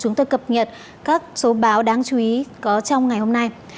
chúng tôi cập nhật các số báo đáng chú ý có trong ngày hôm nay